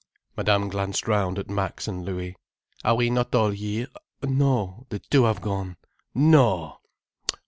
Madame glanced round at Max and Louis. "Are we not all here? No. The two have gone. No!